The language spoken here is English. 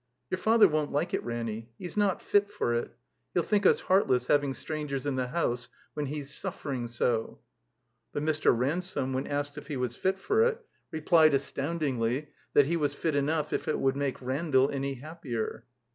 "Yotir Father won't like it, Ranny. He's not fit. for it. He'll think us heartless, having strangers in the house when He's suffering so." But Mr. Ransome, when asked if he was fit for it, replied astoundingly that he was fit enough if it would make Randall any happier.